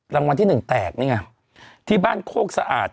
รางวัลที่หนึ่งแตกนี่ไงที่บ้านโคกสะอาด